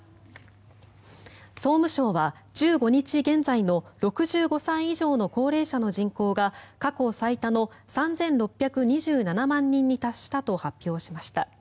総務省は１５日現在の６５歳以上の高齢者の人口が過去最多の３６２７万人に達したと発表しました。